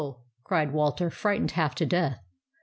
" cried Walter, fright ened half to death.